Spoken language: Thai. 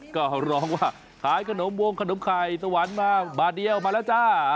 ก็ร้องว่าขายขนมวงขนมไข่สวรรค์มาบาทเดียวมาแล้วจ้า